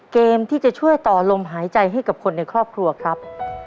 เกมที่จะช่วยต่อลมหายใจให้กับคนในครอบครัวครับ